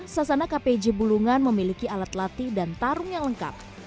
sasana kpj bulungan memiliki alat latih dan tarung yang lengkap